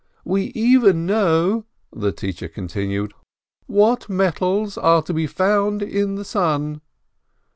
"We even know," the teacher continued, "what metals are to be found in the sun."